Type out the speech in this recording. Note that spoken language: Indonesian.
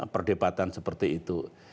perdebatan seperti itu